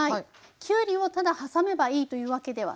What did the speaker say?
きゅうりをただ挟めばいいというわけではなくて。